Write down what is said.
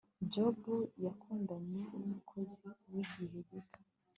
jabo yakundanye numukozi wigihe gito